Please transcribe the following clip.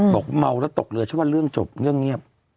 บอกเมาแล้วตกเรือฉันว่าเรื่องจบเรื่องเงียบ